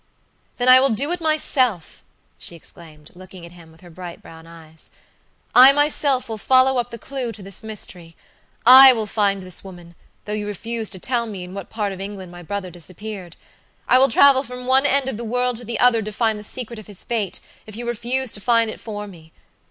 "Then I will do it myself," she exclaimed, looking at him with her bright brown eyes. "I myself will follow up the clew to this mystery; I will find this womanthough you refuse to tell me in what part of England my brother disappeared. I will travel from one end of the world to the other to find the secret of his fate, if you refuse to find it for me.